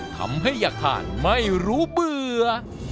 ทำให้อยากทานไม่รู้เบื่อ